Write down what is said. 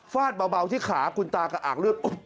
เบาที่ขาคุณตากระอากเลือด